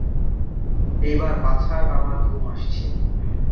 এইবার বাছার আমার ঘুম আসচে।